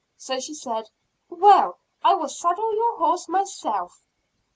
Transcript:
So she said, "Well, I will saddle your horse myself."